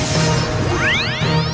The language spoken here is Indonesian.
pergi ke melayu